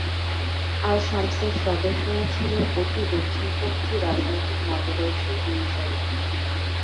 আল-শামসের সদস্যরা ছিল অতি দক্ষিণপন্থি রাজনৈতিক মতাদর্শের অনুসারী।